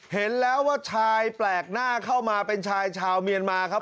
เห็นแล้วว่าชายแปลกหน้าเข้ามาเป็นชายชาวเมียนมาครับ